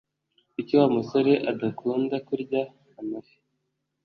Kuki Wa musore adakunda kurya amafi?